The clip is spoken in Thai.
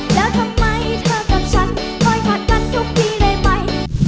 แล้วทำไมเธอกับฉันคอยผลัดกันทุกทีเลยไป